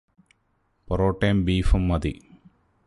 പൊറൊട്ടേം ബീഫൂം മതി.